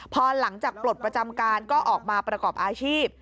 พอหลังจากปลดประจำการก็ออกมาประกอบอาชีพ